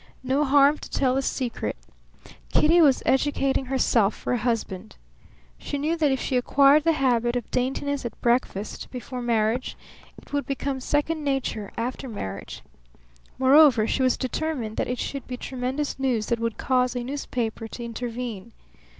No harm to tell the secret! Kitty was educating herself for a husband. She knew that if she acquired the habit of daintiness at breakfast before marriage it would become second nature after marriage. Moreover, she was determined that it should be tremendous news that would cause a newspaper to intervene.